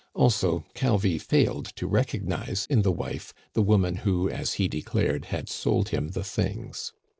Also, Calvi failed to recognize in the wife the woman who, as he declared, had sold him the things.